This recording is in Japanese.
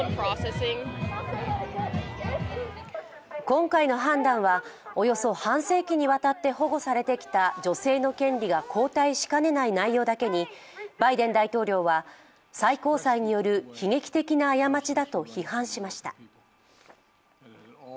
今回の判断はおよそ半世紀にわたって保護されてきた女性の権利が後退しかねない内容だけにバイデン大統領は、最高裁による悲劇的な過ちだと批判しました。